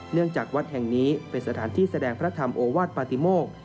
จากวัดแห่งนี้เป็นสถานที่แสดงพระธรรมโอวาสปฏิโมก